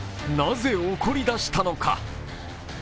なぜ怒り出したのか。